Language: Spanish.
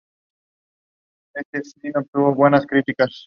La sede del condado es Upper Sandusky.